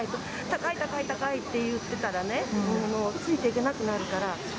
高い高い高いって言ってたらね、ついていけなくなるから。